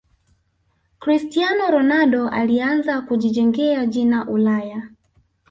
cristiano ronaldo alianza kujijengea jina ulaya